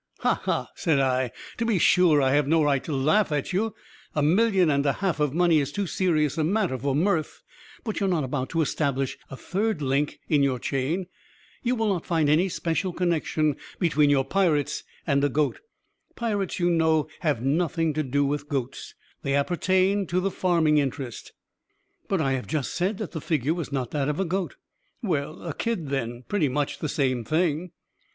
"Ha! ha!" said I, "to be sure I have no right to laugh at you a million and a half of money is too serious a matter for mirth but you are not about to establish a third link in your chain you will not find any especial connection between your pirates and a goat pirates, you know, have nothing to do with goats; they appertain to the farming interest." "But I have just said that the figure was not that of a goat." "Well, a kid, then pretty much the same thing."